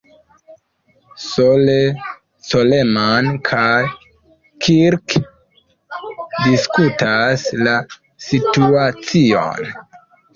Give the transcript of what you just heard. Sole, Coleman kaj "Kirk" diskutas la situacion.